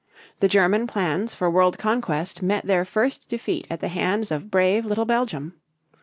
The German plans for world conquest met their first defeat at the hands of brave little Belgium.